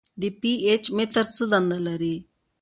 د پي ایچ متر څه دنده لري.